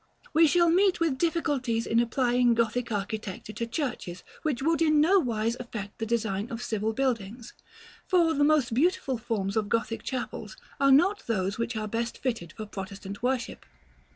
We shall meet with difficulties in applying Gothic architecture to churches, which would in no wise affect the designs of civil buildings, for the most beautiful forms of Gothic chapels are not those which are best fitted for Protestant worship.